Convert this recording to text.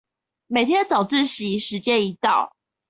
每天早自習時間一到